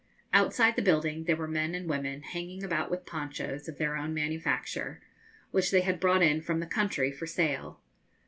Outside the building there were men and women hanging about with ponchos, of their own manufacture, which they had brought in from the country, for sale.